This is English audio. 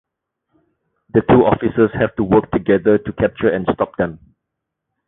The two officers have to work together to capture and stop them.